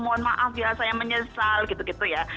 mohon maaf ya rasanya menyesal gitu gitu ya